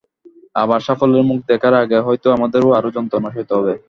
আবার সাফল্যের মুখ দেখার আগে হয়তো আমাদের আরও যন্ত্রণা সইতে হবে।